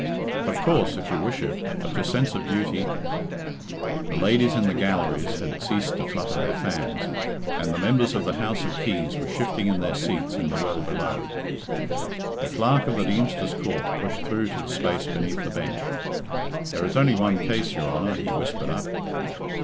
"Of course, if you wish it; but your sense of duty " The ladies in the galleries bad ceased to flutter their fans, and the members of the House of Keys were shifting in their seats in the well below. The Clerk of the Deemster's Court pushed through to the space beneath the bench. "There is only one case, your Honour," he whispered up.